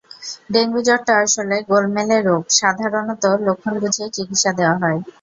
Dengue জ্বরটা আসলে গোলমেলে রোগ, সাধারণত লক্ষণ বুঝেই চিকিৎসা দেওয়া হয়।